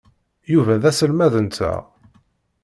Yuba d aselmad-nteɣ.